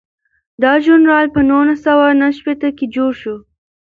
دا ژورنال په نولس سوه نهه شپیته کې جوړ شو.